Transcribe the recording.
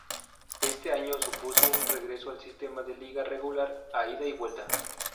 Este año supuso un regreso al sistema de liga regular a ida y vuelta.